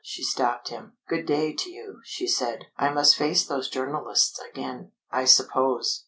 she stopped him. "Good day to you," she said. "I must face those journalists again, I suppose.